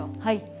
はい。